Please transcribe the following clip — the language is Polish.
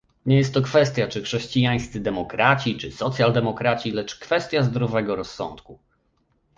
Nie jest to kwestia czy chrześcijańscy demokraci czy socjaldemokraci, lecz kwestia zdrowego rozsądku